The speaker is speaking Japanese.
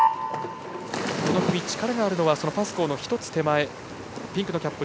この組、力があるのはパスコーの１つ手前ピンクのキャップ